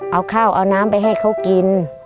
เอาข้าวเอาน้ำไปให้เขากิน